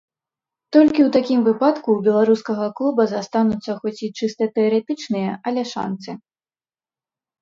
Толькі ў такім выпадку ў беларускага клуба застануцца хоць і чыста тэарэтычныя, але шанцы.